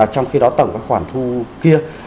trong khi đó tổng các khoản thu kia